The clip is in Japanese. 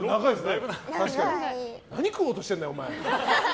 何食おうとしてるんだよ、お前。